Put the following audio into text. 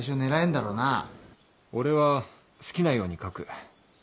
俺は好きなように書く。